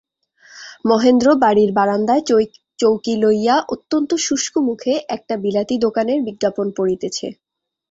মহেন্দ্র বাড়ির বারান্দায় চৌকি লইয়া অত্যন্ত শুষ্কমুখে একটা বিলাতি দোকানের বিজ্ঞাপন পড়িতেছে।